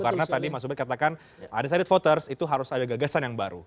karena tadi mas ubed katakan undecided voters itu harus ada gagasan yang baru